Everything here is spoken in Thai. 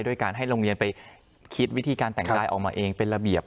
ด้วยการให้โรงเรียนไปคิดวิธีการแต่งกายออกมาเองเป็นระเบียบ